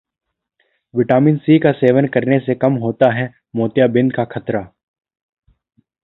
vitamin C का सेवन करने से कम होता है मोतियाबिंद का खतरा